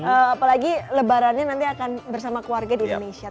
apalagi lebarannya nanti akan bersama keluarga di indonesia